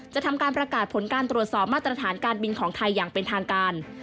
ทำการประกาศผลการตรวจสอบมาตรฐานการบินของไทยอย่างเป็นทางการ